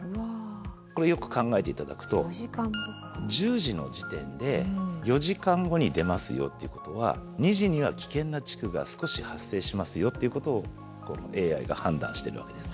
これよく考えて頂くと１０時の時点で４時間後に出ますよっていうことは２時には危険な地区が少し発生しますよっていうことをこのＡＩが判断してるわけです。